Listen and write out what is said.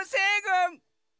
ん？